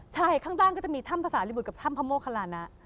ใช่ข้างล่างก็จะมีถ้ำภาษาลิบุตรกับถ้ำพระโมคลานะ